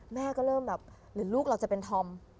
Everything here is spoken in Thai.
แม่ก็เริ่มแบบหรือลูกเราจะเป็นธอม